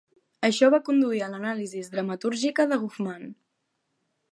Això va conduir a l'anàlisi dramatúrgica de Goffman.